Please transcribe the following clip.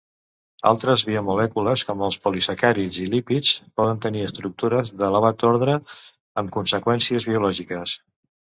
Altres biomolècules com els polisacàrids i lípids, poden tenir estructures d'elevat ordre amb conseqüències biològiques.